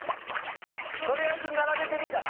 取りあえず並べてみたら？